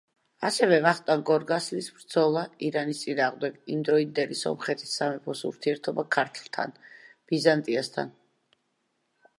ასევე ვახტანგ გორგასლის ბრძოლა ირანის წინააღმდეგ, იმდროინდელი სომხეთის სამეფოს ურთიერთობა ქართლთან, ბიზანტიასთან.